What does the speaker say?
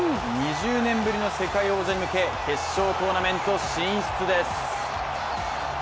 ２０年ぶりの世界王者に向け決勝トーナメント進出です。